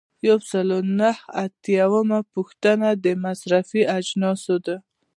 یو سل او نهه اتیایمه پوښتنه د مصرفي اجناسو ده.